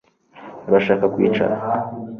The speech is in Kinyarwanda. urashaka kwicara